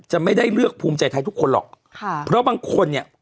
ไม่ได้เลือกภูมิใจไทยทุกคนหรอกค่ะเพราะบางคนเนี่ย